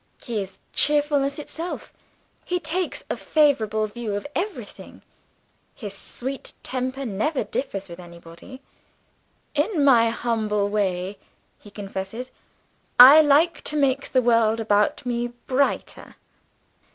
He is cheerfulness itself; he takes a favorable view of everything; his sweet temper never differs with anybody. "In my humble way," he confesses, "I like to make the world about me brighter."